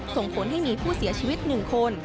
ส่งผลให้มีผู้เสียชีวิต๑คน